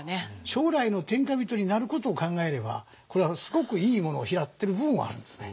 将来の天下人になることを考えればこれはすごくいいものを拾ってる部分はあるんですね。